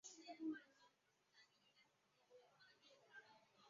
这些分子的结构都是三角锥形分子构型且皆具有极性。